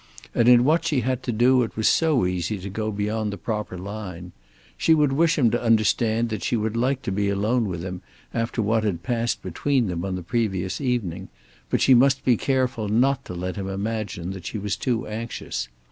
And in what she had to do it was so easy to go beyond the proper line! She would wish him to understand that she would like to be alone with him after what had passed between them on the previous evening, but she must be careful not to let him imagine that she was too anxious.